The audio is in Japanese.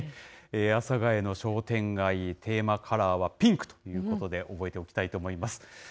阿佐ヶ谷の商店街、テーマカラーはピンクということで、覚えておきたいと思います。